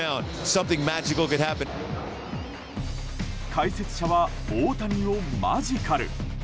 解説者は大谷を、マジカル。